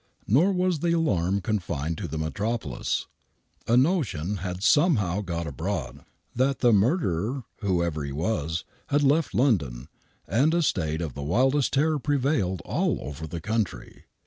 Nor was the alarm confined to the metropolis. A notion had somehow got abroad that the murderer, whoever he was, had left London, and a state of the wildest terror prevailed all over the country.